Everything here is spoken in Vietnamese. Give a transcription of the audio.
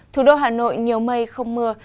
thủ đô hà nội nhiều mây không mưa